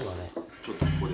ちょっとここで。